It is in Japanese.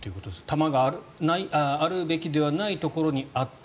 弾があるべきではないところにあった。